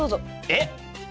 えっ？